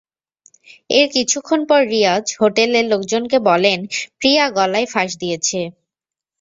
এর কিছুক্ষণ পর রিয়াজ হোটেলের লোকজনকে বলেন, প্রিয়া গলায় ফাঁস দিয়েছে।